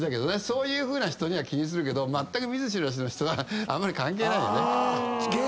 そういう人には気にするけどまったく見ず知らずの人はあんまり関係ないよね。